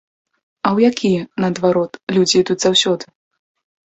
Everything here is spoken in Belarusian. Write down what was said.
А ў якія, наадварот, людзі ідуць заўсёды?